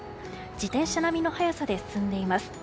自転車並みの速さで進んでいます。